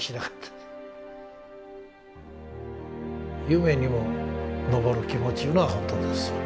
夢にも昇る気持ちいうのは本当ですわ。